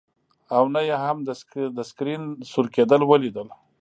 او نه یې هم د سکرین سور کیدل ولیدل